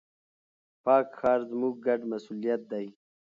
پاک ښار، زموږ ګډ مسؤليت دی.